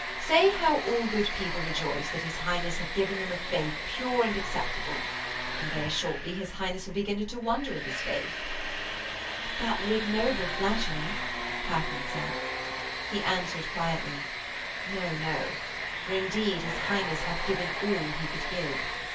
Say how all good people rejoice that his Highness hath given them a faith pure and acceptable. And very shortly his Highness will begin to wonder of his Faith.' 'But that were an ignoble flattery,' Katharine said. He answered quietly: 'No! no! For indeed his Highness hath given all he could give.